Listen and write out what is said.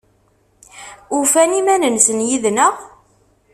Ufan iman-nsen yid-neɣ?